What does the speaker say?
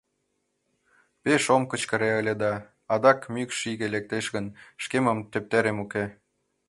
Пеш ом кычкыре ыле да, адак мӱкш иге лектеш гын, шкемын тептерем уке.